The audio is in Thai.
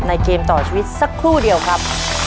เกมต่อชีวิตสักครู่เดียวครับ